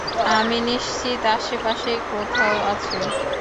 আমি নিশ্চিত আশেপাশেই কোথাও আছে।